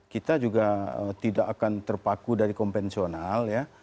kita juga tidak akan terpaku dari konvensional ya